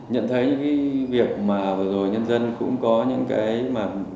nhận thấy những cái việc mà vừa rồi nhân dân cũng có những cái mà